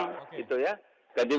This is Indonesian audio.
ganti pemimpin kan ganti program